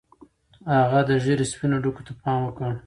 هغه د ږیرې سپینو ډکو ته پام وکړ.